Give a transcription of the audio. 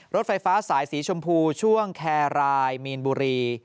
รถไฟฟ้าสายสีชมพูช่วงแครรายมีนบุรี